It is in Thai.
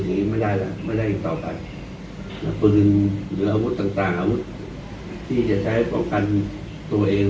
ยังงี้ไม่ได้อีกไม่ได้ต่อไปแต่พื้นหรืออาวุธต่างอาวุธที่จะใช้ปกกันตัวเอง